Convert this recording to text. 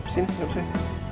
sini hadap saya